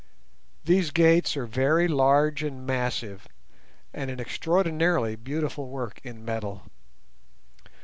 These gates are very large and massive, and an extraordinarily beautiful work in metal.